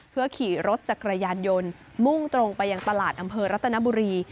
เพื่อขี่รถจักรยานยนต์มุ่งตรงไปยังตลาดอำเภอรัตนบุรี